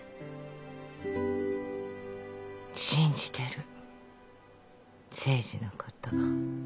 信じてる誠治のこと。